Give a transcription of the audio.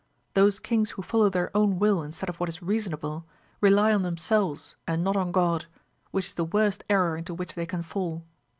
Those kings who follow their own will instead of what is reasonable rely on themselves and not on God, which is the worst error into which they can fall.